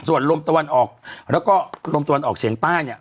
ส่วนลมตะวันออกแล้วก็ลมตะวันออกเฉียงใต้เนี่ย